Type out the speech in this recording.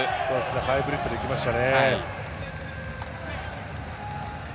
ハイブリッドできましたね。